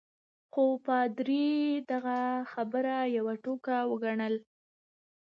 خو پادري دغه خبره یوه ټوکه وګڼل.